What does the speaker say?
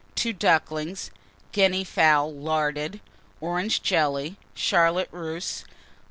Two Ducklings. Guinea Fowl, larded. Orange Jelly. Charlotte Russe.